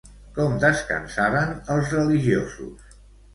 Com descansaven els religiosos?